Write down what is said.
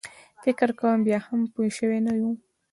فکر کوم بیا هم پوی شوی نه و.